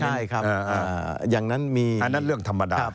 ใช่ครับอย่างนั้นมีอันนั้นเรื่องธรรมดา